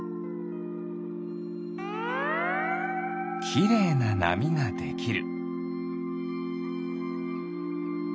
きれいななみができる。